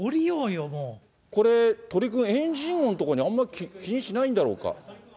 これ、鳥くん、エンジン音とかに、あんまり気にしないんだろうか。